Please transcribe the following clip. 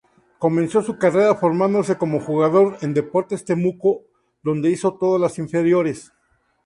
Comenzó su carrera formándose como jugador en Deportes Temuco, donde hizo todas las inferiores.